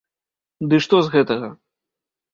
Ды што з гэтага?